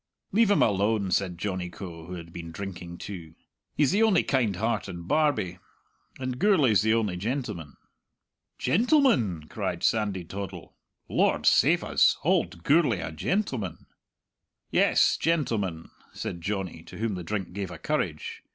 "Leave him alone!" said Johnny Coe, who had been drinking too. "He's the only kind heart in Barbie. And Gourlay's the only gentleman." "Gentleman!" cried Sandy Toddle. "Lord save us! Auld Gourlay a gentleman!" "Yes, gentleman!" said Johnny, to whom the drink gave a courage.